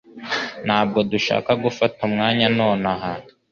Ntabwo dushaka gufata umwanya nonaha